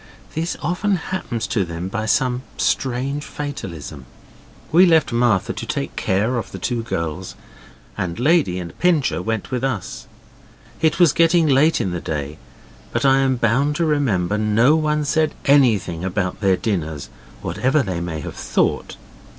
This often happens to them by some strange fatalism. We left Martha to take care of the two girls, and Lady and Pincher went with us. It was getting late in the day, but I am bound to remember no one said anything about their dinners, whatever they may have thought.